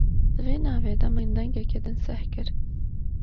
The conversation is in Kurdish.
Di vê navê de min dengekî din seh kir.